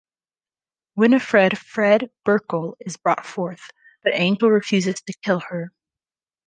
Winifred "Fred" Burkle is brought forth, but Angel refuses to kill her.